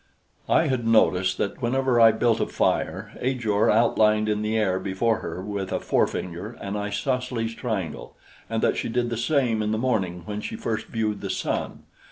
I had noticed that whenever I built a fire, Ajor outlined in the air before her with a forefinger an isosceles triangle, and that she did the same in the morning when she first viewed the sun.